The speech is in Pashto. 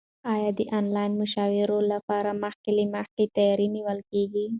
ایا د انلاین مشاعرو لپاره مخکې له مخکې تیاری نیول کیږي؟